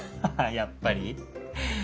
やっぱり。